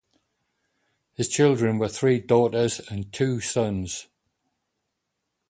His children were three daughters and two sons.